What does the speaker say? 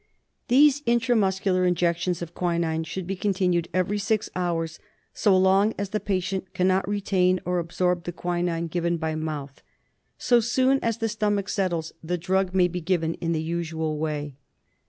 These intra muscular injections of quinine should be continued every six hours so long as the patient cannot retain or absorb the quinine given by mouth. So soon as the stomach settles the drug may be given in the usual way.